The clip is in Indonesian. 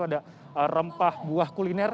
ada rempah buah kuliner